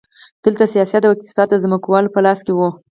دلته سیاست او اقتصاد د ځمکوالو په لاس کې وو.